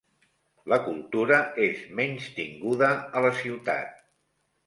La cultura és menystinguda a la ciutat.